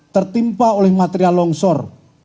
tertimpa oleh material longsor